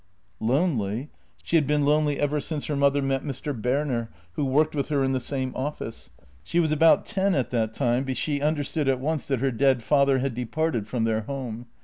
Lonely! She had been lonely ever since her mother met Mr. Berner, who worked with her in the same office. She was about ten at that time, but she understood at once that her dead father had departed from their home.